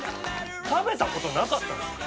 食べた事なかったのよ。